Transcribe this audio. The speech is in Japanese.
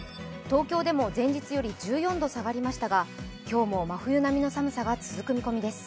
東京でも前日より１４度下がりましたが今日も真冬並みの寒さが続く見込みです。